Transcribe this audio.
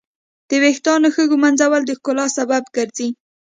د ویښتانو ښه ږمنځول د ښکلا سبب ګرځي.